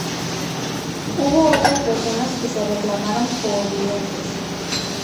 Hubo otras personas que se reclamaron como videntes.